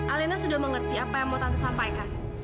alena sudah mengerti apa yang mau tante sampaikan